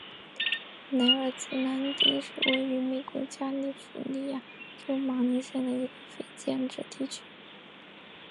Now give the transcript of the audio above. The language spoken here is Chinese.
莱尔兹兰丁是位于美国加利福尼亚州马林县的一个非建制地区。